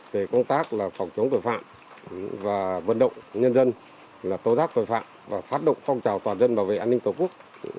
về công tác phòng chống tội phạm và vận động nhân dân tố giác tội phạm và phát động phong trào toàn dân bảo vệ an ninh tổ quốc